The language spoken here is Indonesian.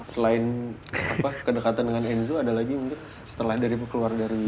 selain kedekatan dengan enzo ada lagi mungkin setelah dari keluar dari